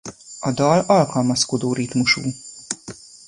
A dal alkalmazkodó ritmusú.